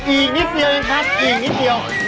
อีกนิดเดียวเองครับอีกนิดเดียว